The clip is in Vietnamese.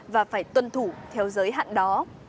và phải tuân thủ theo giới hạn đó